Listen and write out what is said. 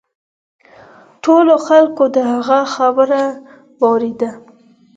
ټولو خلکو د هغه خبره واوریده.